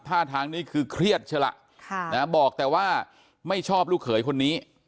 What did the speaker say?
ท่าทางนี้คือเครียดใช่ล่ะบอกแต่ว่าไม่ชอบลูกเขยคนนี้